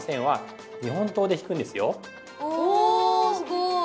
おすごい！